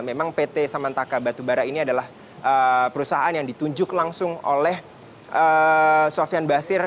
memang pt samantaka batubara ini adalah perusahaan yang ditunjuk langsung oleh sofian basir